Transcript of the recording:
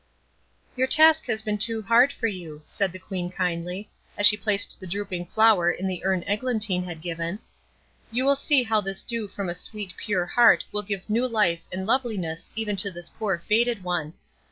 "Your task has been too hard for you," said the Queen kindly, as she placed the drooping flower in the urn Eglantine had given, "you will see how this dew from a sweet, pure heart will give new life and loveliness even to this poor faded one.